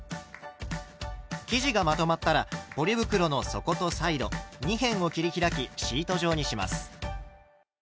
生地がまとまったらポリ袋の底とサイド二辺を切り開きシート状にします。